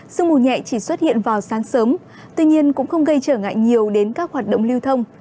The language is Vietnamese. sương mù nhẹ chỉ xuất hiện vào sáng sớm tuy nhiên cũng không gây trở ngại nhiều đến các hoạt động lưu thông